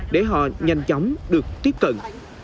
để họ nhanh chóng được tiếp cận